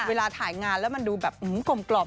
เวลาถ่ายงานแล้วมันดูแบบกลม